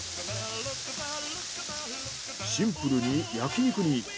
シンプルに焼き肉に。